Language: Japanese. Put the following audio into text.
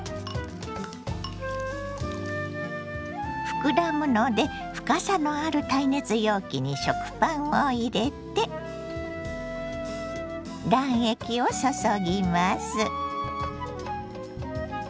膨らむので深さのある耐熱容器に食パンを入れて卵液を注ぎます。